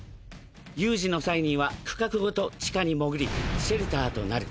有事の際には区画ごと地下に潜りシェルターとなる！